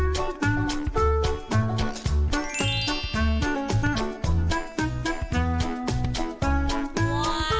ว้าว